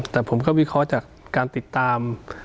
แต่ผมก็วิเคราะห์จากการติดตาม